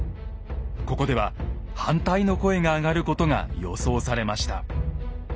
ここでは反対の声があがることが予想されました。